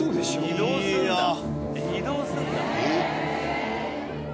移動するんだ。